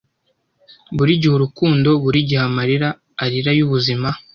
Burigihe urukundo, burigihe amarira arira yubuzima,